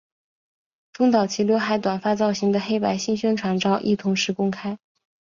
中岛齐浏海短发造型的黑白新宣传照亦同时公开。